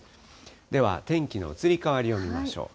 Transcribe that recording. では天気の移り変わりを見ましょう。